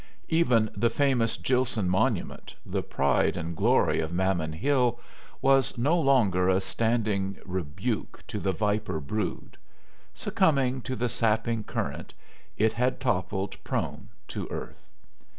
Even the famous Gilson monument, the pride and glory of Mammon Hill, was no longer a standing rebuke to the "viper brood"; succumbing to the sapping current it had toppled prone to earth.